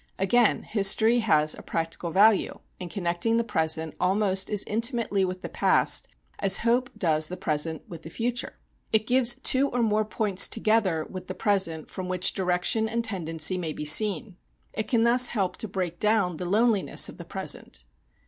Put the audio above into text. Again, history has a practical value in connecting the present almost as intimately with the past as hope does the present with the future. It gives two or more points together with the present from which direction and tendency may be seen. It can thus help to break down the loneliness of the present.